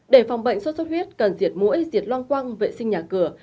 để phòng bệnh sốt xuất huyết cần diệt mũi diệt loang quăng vệ sinh nhà cửa